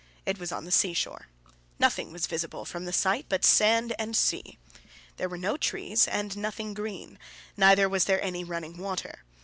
It was on the seashore. Nothing was visible from the site but sand and sea. There were no trees there and nothing green; neither was there any running water.